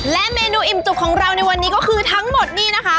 และเมนูอิ่มจุกของเราในวันนี้ก็คือทั้งหมดนี่นะคะ